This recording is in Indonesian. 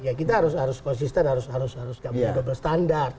ya kita harus konsisten harus gabung double standar